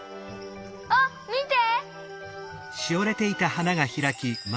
あっみて！